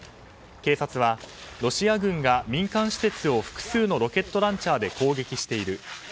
警察は、ロシア軍が民間施設を複数のロケットランチャーで攻撃している。